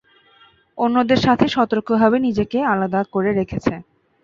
অন্যদের থেকে সতর্কভাবে নিজেকে আলাদা করে রেখেছে।